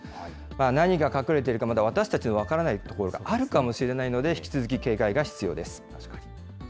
何が隠れているか、まだ私たちは分からないところがあるかもしれないので、引き続き警戒が必要で確かに。